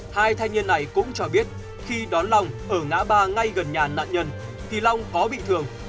hai thanh niên này cũng cho biết khi đón lòng ở ngã ba ngay gần nhà nạn nhân thì lòng có bị thường